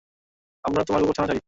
আমরা তোমার কুকুরছানা চাই।